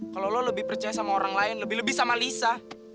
kalau lo lebih percaya sama orang lain lebih lebih sama lisa